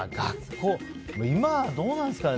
今はどうなんですかね。